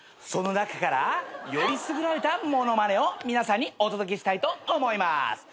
その中からよりすぐられた物まねを皆さんにお届けしたいと思います。